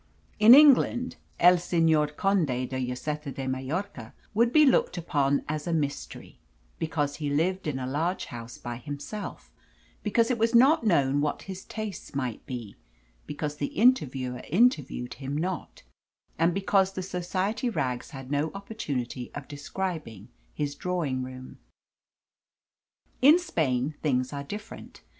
In England el Senor Conde de Lloseta de Mallorca would be looked upon as a mystery, because he lived in a large house by himself; because it was not known what his tastes might be; because the interviewer interviewed him not, and because the Society rags had no opportunity of describing his drawing room. In Spain things are different.